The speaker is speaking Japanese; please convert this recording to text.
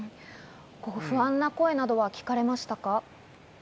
不安な声などは聞かれましたか？